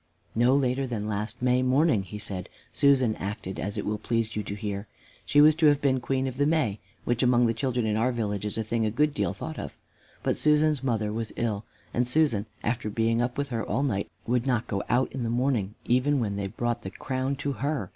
"No later than last May morning," he said, "Susan acted as it will please you to hear. She was to have been Queen of the May, which among the children in our village is a thing a good deal thought of. But Susan's mother was ill, and Susan, after being up with her all night, would not go out in the morning, even when they brought the crown to her.